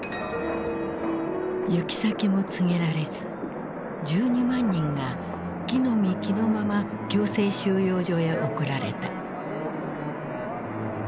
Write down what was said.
行き先も告げられず１２万人が着のみ着のまま強制収容所へ送られた。